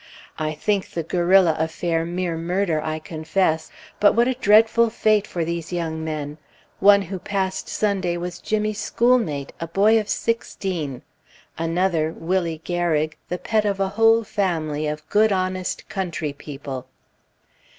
I think the guerrilla affair mere murder, I confess; but what a dreadful fate for these young men! One who passed Sunday was Jimmy's schoolmate, a boy of sixteen; another, Willie Garig, the pet of a whole family of good, honest country people....